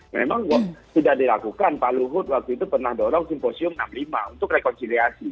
memang sudah dilakukan pak luhut waktu itu pernah dorong simposium enam puluh lima untuk rekonsiliasi